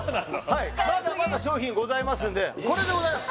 はいまだまだ商品ございますんでこれでございます